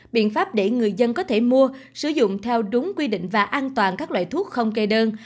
biện pháp để người dân có thể mua sử dụng theo đúng quy định và an toàn các loại thuốc không kê đơn